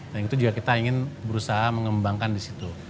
dan itu juga kita ingin berusaha mengembangkan di situ